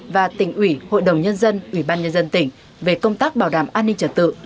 và tỉnh ủy hội đồng nhân dân ủy ban nhân dân tỉnh về công tác bảo đảm an ninh trật tự